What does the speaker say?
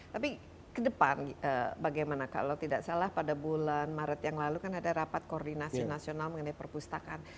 tapi ke depan bagaimana kalau tidak salah pada bulan maret yang lalu kan ada rapat koordinasi nasional mengenai perpustakaan